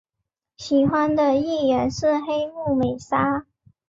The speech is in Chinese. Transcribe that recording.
喜欢的艺人是黑木美纱。